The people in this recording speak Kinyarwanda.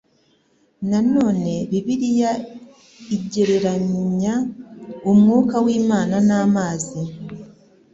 Nanone Bibiliya igereranya umwuka w'Imana n'amazi